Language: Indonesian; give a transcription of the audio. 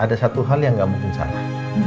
ada satu hal yang nggak mungkin salah